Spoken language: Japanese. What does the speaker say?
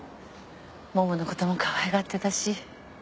モモのこともかわいがってたし。